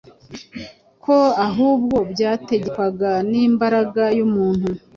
ko ahubwo byategekwaga n’imbaraga y’umuntu,